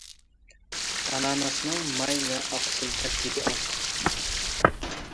ئاناناسنىڭ ماي ۋە ئاقسىل تەركىبى ئاز.